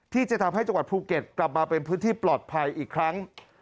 ที่จะทำให้จังหวัดภูเก็ตกลับมาเป็นพื้นที่ปลอดภัยอีกครั้ง